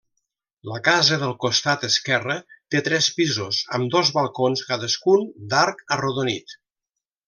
La casa del costat esquerre té tres pisos, amb dos balcons cadascun d'arc arrodonit.